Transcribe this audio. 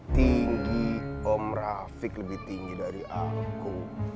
tinggi om rafiq lebih tinggi dari aku